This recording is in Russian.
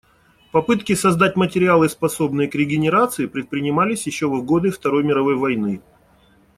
Попытки создать материалы, способные к регенерации, предпринимались ещё в годы Второй мировой войны.